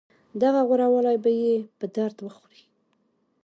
دغه غوره والی به يې په درد وخوري.